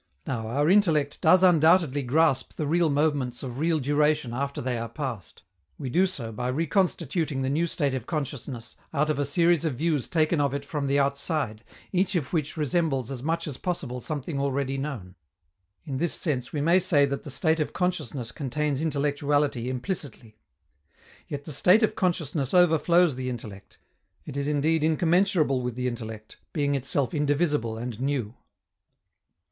Now, our intellect does undoubtedly grasp the real moments of real duration after they are past; we do so by reconstituting the new state of consciousness out of a series of views taken of it from the outside, each of which resembles as much as possible something already known; in this sense we may say that the state of consciousness contains intellectuality implicitly. Yet the state of consciousness overflows the intellect; it is indeed incommensurable with the intellect, being itself indivisible and new.